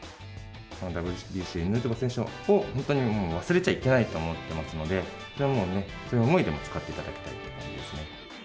ＷＢＣ、ヌートバー選手を本当に忘れちゃいけないと思ってますので、それはもうね、そういう思いで使っていただければ。